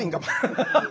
アハハハ。